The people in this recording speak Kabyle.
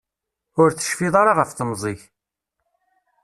Ur tecfiḍ ara ɣef temẓi-k.